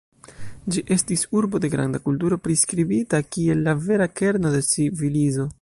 Ĝi estis urbo de granda kulturo, priskribita kiel la vera kerno de civilizo.